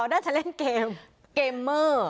น่าจะเล่นเกมเกมเมอร์